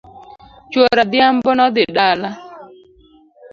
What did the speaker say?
Chuor adhiambo nodhi dala